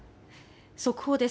速報です。